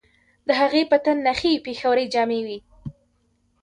د هغې په تن نخي پېښورۍ جامې وې